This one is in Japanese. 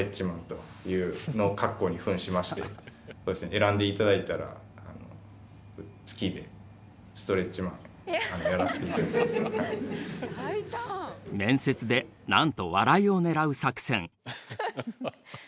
選んで頂いたら面接でなんと笑いを狙う作戦。